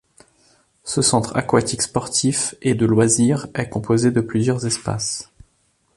Ce centre aquatique sportif et de loisirs est composé de plusieurs espaces.